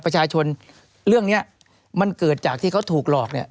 ประชาชนเรื่องนี้มันเกิดจากที่เขาถูกหลอก